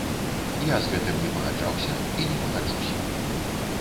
Я з гэтым не пагаджаўся і не пагаджуся.